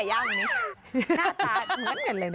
บ้าง